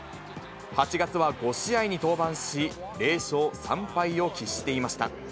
８月は５試合に登板し、０勝３敗を喫していました。